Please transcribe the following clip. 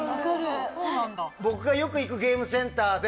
僕がよく行くゲームセンターで。